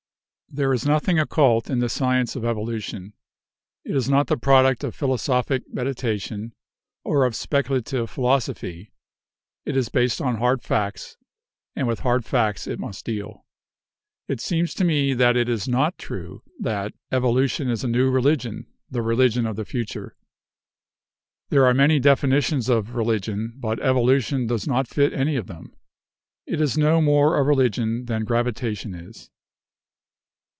"There is nothing 'occult' in the science of evolution. It is not the product of philosophic meditation or of speculative philosophy. It is based on hard facts, and with hard facts it must deal. It seems to me that it is not true that 'Evolution is a new religion, the religion of the future.' There are many definitions of religion, but evolution does not fit any of them. It is no more a religion than gravitation is.